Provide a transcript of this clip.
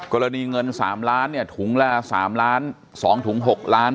กรณีเงิน๓ล้านเนี่ยถุงละ๓ล้าน๒ถุง๖ล้าน